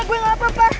gua gak apa apa